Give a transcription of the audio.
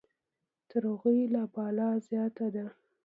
تر هغوی لا بلا زیاته ده.